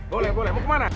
boleh boleh mau kemana